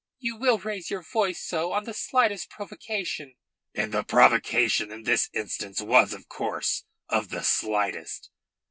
You will raise your voice so on the slightest provocation." "And the provocation in this instance was, of course, of the slightest.